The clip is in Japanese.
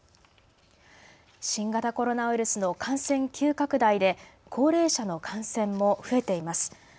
新型コロナウイルスの感染急拡大で高齢者の感染も増えています。